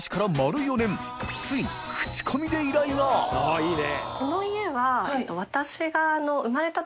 舛いいね！